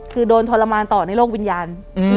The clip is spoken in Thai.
คือโดนทรมานต่อในโลกวิญญาณ